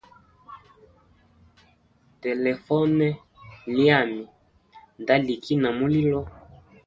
Telefone lyami nda liki na mulilo.